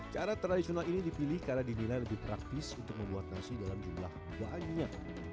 cara tradisional ini dipilih karena dinilai lebih praktis untuk membuat nasi dalam jumlah banyak